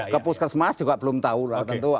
ke puskesmas juga belum tahu lah tentu